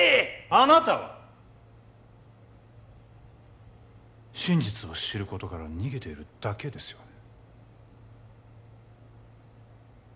あなたは真実を知ることから逃げているだけですよね